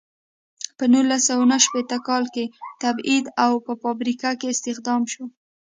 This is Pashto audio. په نولس سوه نهه شپیته کال کې تبعید او په فابریکه کې استخدام شو.